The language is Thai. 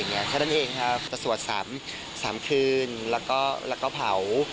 แค่นั้นเองครับจะสวด๓คืนแล้วก็เผา